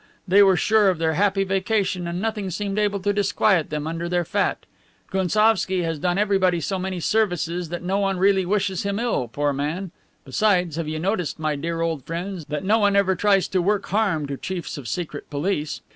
They were sure of their happy vacation and nothing seemed able to disquiet them under their fat. Gounsovski has done everybody so many services that no one really wishes him ill, poor man. Besides, have you noticed, my dear old friends, that no one ever tries to work harm to chiefs of Secret Police?